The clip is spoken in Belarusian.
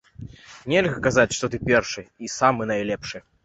Нельга казаць, што ты першы, самы і найлепшы.